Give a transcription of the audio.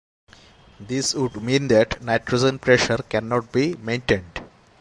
This would mean that nitrogen pressure can not be maintained.